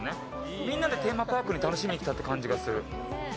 みんなでテーマパークに楽しみに来たって感じがする。